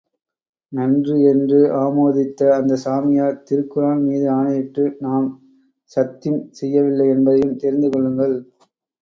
நன்று! என்று ஆமோதித்த அந்த சாமியார், திருக்குரான் மீது ஆணையிட்டு நாம் சத்திம் செய்யவில்லை என்பதையும் தெரிந்து கொள்ளுங்கள்.